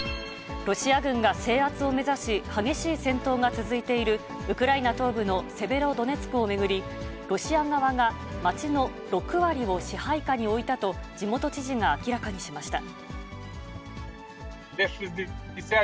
ロシア軍が制圧を目指し、激しい戦闘が続いているウクライナ東部のセベロドネツクを巡り、ロシア側が、町の６割を支配下に置いたと、地元知事が明らかにしました。